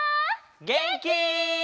げんき？